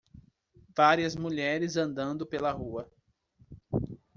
Várias mulheres andando pela rua.